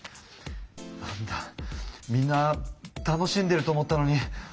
なんだみんな楽しんでると思ったのに。